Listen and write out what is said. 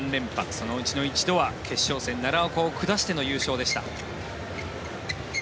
そのうちの一度は決勝戦、奈良岡を下しての優勝でした。